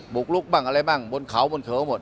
กลุกบ้างอะไรบ้างบนเขาบนเขาหมด